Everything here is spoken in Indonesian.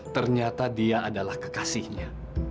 ternyata dia adalah kekasihnya